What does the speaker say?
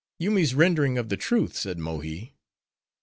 "Yoomy's rendering of the truth," said Mohi.